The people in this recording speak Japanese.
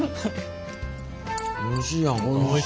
おいしいやんか。